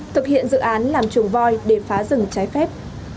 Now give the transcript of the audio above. thực hiện dự án làm chuồng voi để phá rừng trái phép